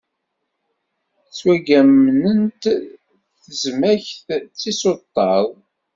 Ttwagamnent tezmak d tisuṭṭaḍ.